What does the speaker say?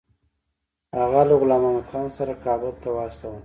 هغه له غلام محمدخان سره کابل ته واستاوه.